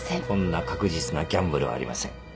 こんな確実なギャンブルはありません。